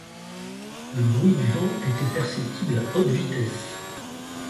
Le bruit du vent était perceptible à haute vitesse.